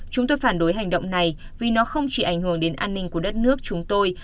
chúng tôi phản đối hành động này vì nó không chỉ ảnh hưởng đến an ninh của đất nước chúng tôi